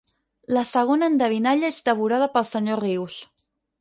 La segona endevinalla és devorada pel senyor Rius.